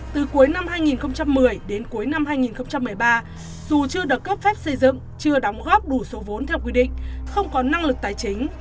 từ cuối năm hai nghìn một mươi đến cuối năm hai nghìn một mươi ba dù chưa được cấp phép xây dựng chưa đóng góp đủ số vốn theo quy định không có năng lực tài chính